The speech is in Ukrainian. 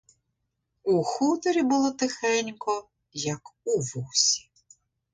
У хуторі було тихенько, як у вусі.